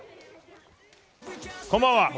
こんばんは。